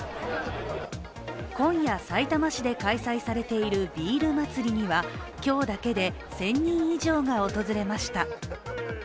今夜、さいたま市で開催されているビール祭りには今日だけで１０００人以上が訪れました。